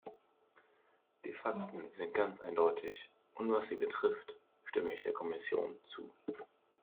Die Fakten sind ganz eindeutig, und was sie betrifft, stimme ich der Kommission zu.